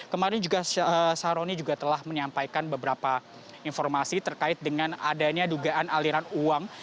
kemarin juga saroni juga telah menyampaikan beberapa informasi terkait dengan adanya dugaan aliran uang